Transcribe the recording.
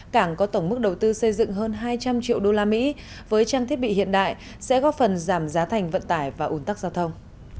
cảng có tổng mức đầu tư xây dựng hơn hai trăm linh triệu usd với trang thiết bị hiện đại sẽ góp phần giảm giá thành vận tải và ủn tắc giao thông